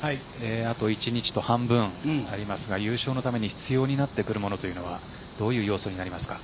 あと１日と半分ありますが優勝のために必要になってくるものというのはどういう要素になりますか？